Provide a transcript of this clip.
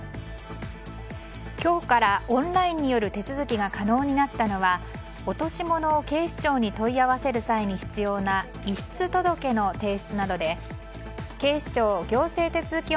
今日からオンラインによる手続きが可能になったのは落とし物を警視庁に問い合わせる際に必要な遺失届の提出などで警視庁行政手続